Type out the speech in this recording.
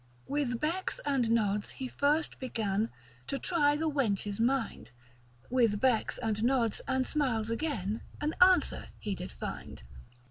With becks and nods he first began To try the wench's mind. With becks and nods and smiles again An answer he did find.